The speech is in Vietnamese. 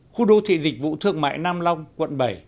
khu đô thị dịch vụ thương mại nam long quận bảy